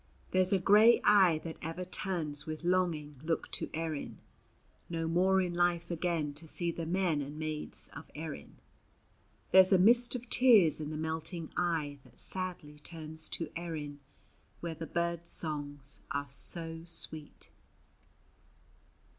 There's a grey eye that ever turns with longing look to Erin, No more in life again to see the men and maids of Erin. There's a mist of tears in the melting eye that sadly turns to Erin, Where the birds' songs are so sweet.